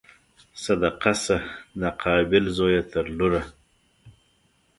صدقه شه ناقابل زویه تر لوره